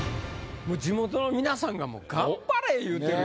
地元の皆さんが「頑張れ！」言うてる。